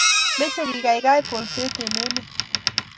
Mechei kekaikai kolset eng' emet